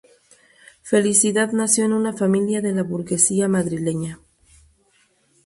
Felicidad nació en una familia de la burguesía madrileña.